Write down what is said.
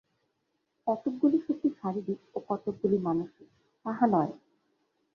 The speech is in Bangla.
কতকগুলি শক্তি শারীরিক ও কতকগুলি মানসিক, তাহা নয়।